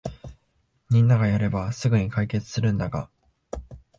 みんながやればすぐに解決するんだが